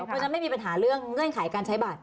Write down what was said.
เพราะฉะนั้นไม่มีปัญหาเรื่องเงื่อนไขการใช้บัตร